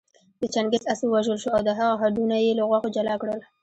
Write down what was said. د چنګېز آس ووژل شو او د هغه هډونه يې له غوښو جلا کړل